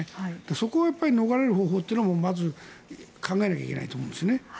そこから逃れる方法というのもまず、考えなきゃいけないと思うんですね。